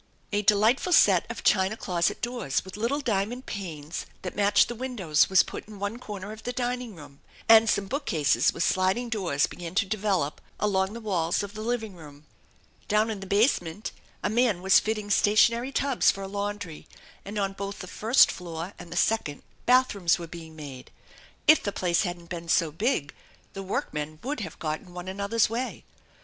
A delightful set of china closet doors with little diamond panes that matched the windows was put in one corner of the dining room, and some bookcases with sliding doors began to develop along the w&. s of the living room. Down in the basement a man was fitting stationary tubs for a laundry, and on both the first floor and the second bath rooms were being made. If the place hadn't been so big, the workmen would have got in one another's way.